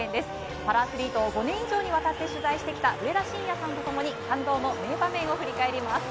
パラアスリートを５年以上にわたって取材してきた上田晋也さんとともに感動の名場面を振り返ります。